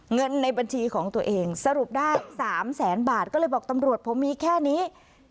เงินในบัญชีของตัวเองสรุปได้๓แสนบาทก็เลยบอกตำรวจผมมีแค่นี้